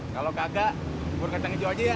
kalau kagak bubur kacang hijau aja ya